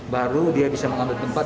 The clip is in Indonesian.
baru dia bisa mengambil tempat